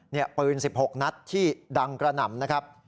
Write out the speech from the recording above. นี่ปืน๑๖นัดที่ดังกระหน่ำนะครับ